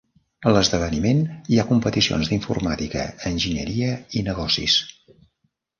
A l'esdeveniment hi ha competicions d'informàtica, enginyeria i negocis.